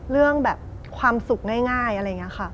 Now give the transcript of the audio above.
เรื่องแบบความสุขง่ายอะไรอย่างนี้ค่ะ